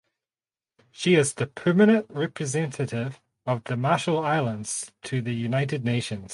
She is the Permanent Representative of the Marshall Islands to the United Nations.